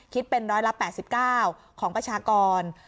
คิดเป็นร้อยละ๘๙ของประชากร